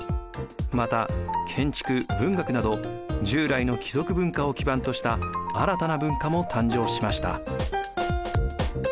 また建築・文学など従来の貴族文化を基盤とした新たな文化も誕生しました。